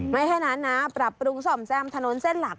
แค่นั้นนะปรับปรุงส่อมแซมถนนเส้นหลัก